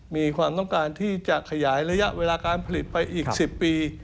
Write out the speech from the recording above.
มีความต้องการที่จะขยายระยะเวลาการผลิตไปอีก๑๐ปี